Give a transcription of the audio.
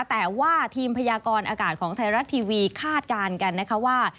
แต่ว่าทีมพยากรอากาศของไทยรัฐทีวีคาดการณ์กันนะคะว่า